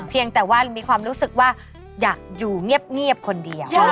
เพียงแต่ว่ามีความรู้สึกว่าอยากอยู่เงียบคนเดียว